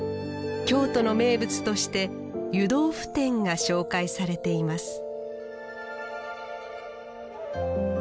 京都の名物として湯豆腐店が紹介されています